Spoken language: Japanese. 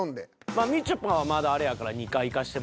まあみちょぱはまだあれやから２回いかしても。